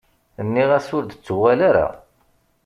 Nniɣ-as ur d-ttuɣal ara.